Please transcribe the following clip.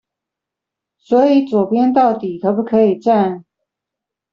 所以左邊到底可不可以站